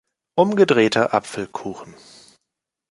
Umgedrehter Apfelkuchen.